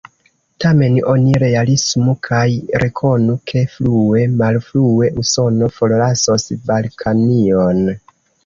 Tamen oni realismu kaj rekonu, ke frue malfrue Usono forlasos Balkanion.